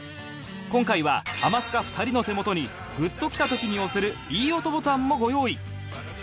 今回はハマスカ２人の手元にグッときた時に押せるいい音ボタンもご用意